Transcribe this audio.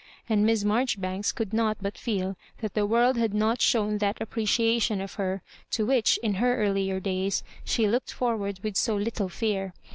And Miss Mar joribanks could not but feel that the world had not shown that appreciation of her, to which, in her earlier days, she looked forward with so lit tle fear.